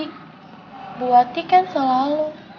ibu wati kan selalu